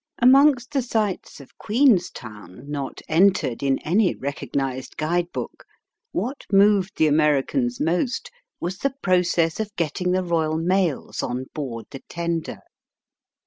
Amongst the sights of Queenstown not entered in any recognized guide book, what moved the Americans most was the process of getting the Royal mails on board the tender.